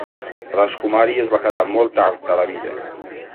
Rajkumari es va casar molt tard a la vida.